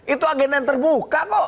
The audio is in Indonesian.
itu agenda yang terbuka kok